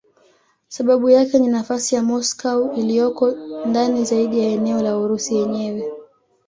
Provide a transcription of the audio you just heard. Sababu yake ni nafasi ya Moscow iliyoko ndani zaidi ya eneo la Urusi yenyewe.